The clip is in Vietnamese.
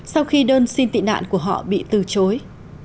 sau khi đơn xin tị nạn của họ bị từ chối